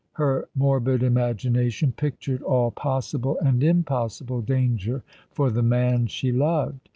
Her morbid imagination pictured all possible and impossible danger for the man she loved.